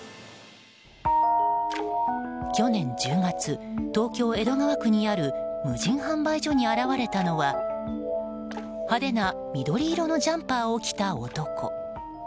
去年１０月東京・江戸川区にある無人販売所に現れたのは派手な緑色のジャンパーを着た男。